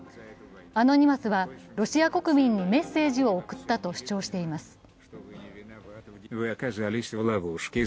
アノニマスはロシア国民にメッセージを送ったと主張しています。